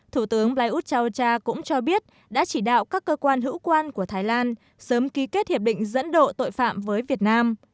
thủ tướng plei ut chau cha cũng cho biết đã chỉ đạo các cơ quan hữu quan của thái lan sớm ký kết hiệp định dẫn độ tội phạm với việt nam